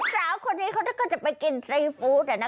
สาวคนนี้ก็ได้กินไซน์ฟู้ดเลยนะ